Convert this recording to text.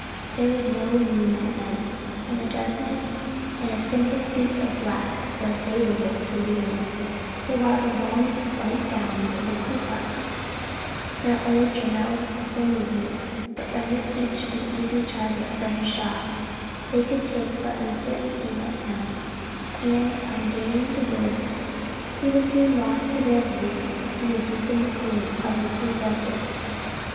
There was no moon that night, and the darkness and a simple suit of black, were favorable to Leland, for while the long white gowns of the Ku Klux not only trammelled their movements, but rendered each an easy target for his shot, they could take but uncertain aim at him, and on gaining the woods, he was soon lost to their view in the deepened gloom of its recesses.